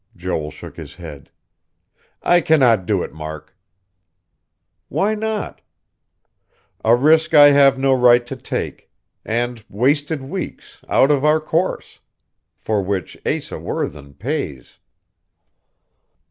Joel shook his head. "I cannot do it, Mark." "Why not?" "A risk I have no right to take; and wasted weeks, out of our course. For which Asa Worthen pays."